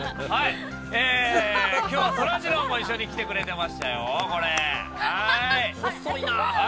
きょうはそらジローも一緒に来てくれてましたよ。